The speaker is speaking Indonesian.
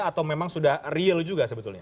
atau memang sudah real juga sebetulnya